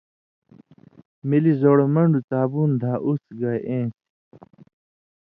ملی زُوڑہۡ من٘ڈوۡ څابُون دھا اُوڅھہۡ گائ اېن٘سیۡ۔